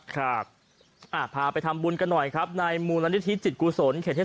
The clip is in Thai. สมหวังก็ไปตามกันบางคนได้โชคได้ลาบบางคนสมหวังเรื่องหน้าที่การงานครับ